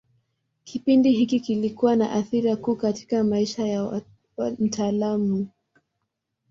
Kipindi hiki kilikuwa na athira kuu katika maisha ya mtaalamu.